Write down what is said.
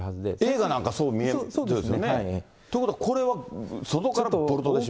映画なんかそう見ますよね。ということは、これは外からボルトで締めて？